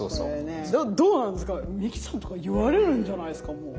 どうなんですかミキさんとか言われるんじゃないですかもう。